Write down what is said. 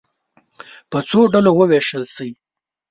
په څو ډلو وویشل شئ.